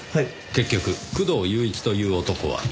結局工藤勇一という男は？